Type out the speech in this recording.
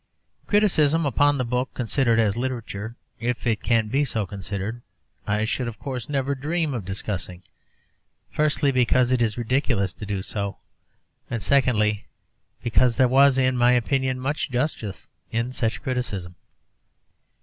Criticism upon the book considered as literature, if it can be so considered, I should, of course, never dream of discussing firstly, because it is ridiculous to do so; and, secondly, because there was, in my opinion, much justice in such criticism.